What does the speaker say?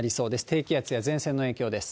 低気圧や前線の影響です。